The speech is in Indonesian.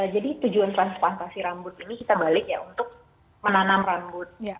jadi tujuan transplantasi rambut ini kita balik untuk menanam rambut